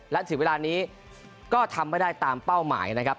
และถึงเวลานี้ก็ทำไม่ได้ตามเป้าหมายนะครับ